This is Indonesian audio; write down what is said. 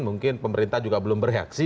mungkin pemerintah juga belum bereaksi